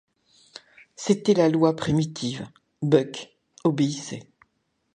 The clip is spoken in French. C’était la loi primitive, Buck obéissait.